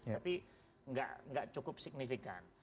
tapi enggak cukup signifikan